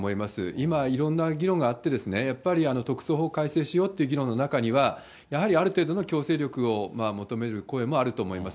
今、いろんな議論があってですね、やっぱり特措法改正しようという議論の中には、やはりある程度の強制力を求める声もあると思います。